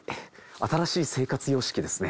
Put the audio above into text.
新しい生活様式ですね。